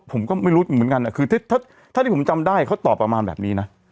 ผมก็ไม่รู้เหมือนกันคือถ้าที่ผมจำได้เขาตอบประมาณแบบนี้นะ